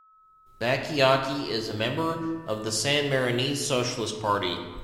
Bacciocchi is a member of the San Marinese Socialist Party.